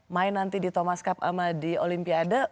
main nanti di thomas cup sama di olimpiade